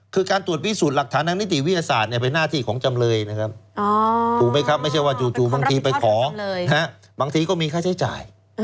คือการตรวจพิสูจน์หลักฐานทางนิติวิทยาศาสตร์เป็นหน้าที่ของจำเลยนะครับถูกไหมครับไม่ใช่ว่าจู่บางทีไปขอบางทีก็มีค่าใช้จ่าย